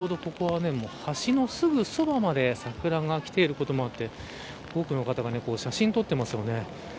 ちょうどここは、橋のすぐそばまで桜がきていることもあって多くの方が写真撮ってますね。